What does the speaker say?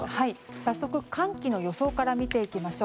早速、寒気の予想から見ていきましょう。